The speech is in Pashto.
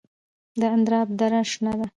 د اندراب دره شنه ده